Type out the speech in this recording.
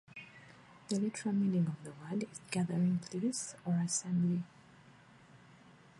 The literal meaning of the word is "gathering place" or "assembly".